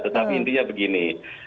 tetapi intinya begini